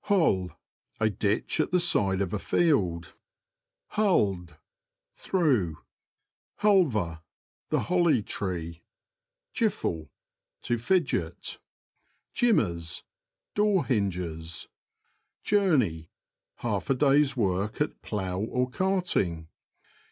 HOLL. — A ditch at the side of a field. HuLVER. — The holly tree. JiFFLE. — To fidget. JiMMERS. — Door hinges. Journey. — Half a day's work at plough or carting.